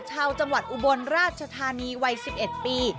ชาวจังหวัดอุบลราชธานีวัย๑๑ปี